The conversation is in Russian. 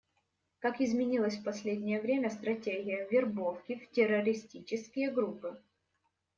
Как изменилась в последнее время стратегия вербовки в террористические группы?